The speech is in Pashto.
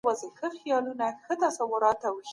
د راتلونکي وړاندوينه د علم مهمه ځانګړنه ده.